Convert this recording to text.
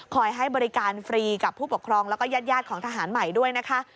ให้บริการฟรีกับผู้ปกครองแล้วก็ญาติของทหารใหม่ด้วยนะคะ